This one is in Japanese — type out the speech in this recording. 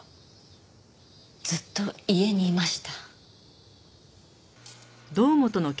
ずっと家にいました。